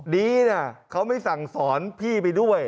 ดีนะเขาไม่สั่งสอนพี่ไปด้วย